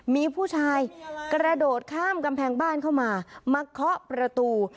มีผู้ชายกระโดดข้ามกำแพงบ้านเข้ามามาเคาะประตู